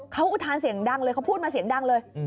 เขาอุทานเสียงดังเลยเขาพูดมาเสียงดังเลย